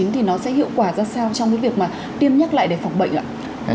thì nó sẽ hiệu quả ra sao trong cái việc mà tiêm nhắc lại để phòng bệnh ạ